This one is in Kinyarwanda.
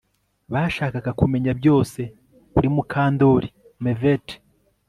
Bashakaga kumenya byose kuri Mukandoli mervert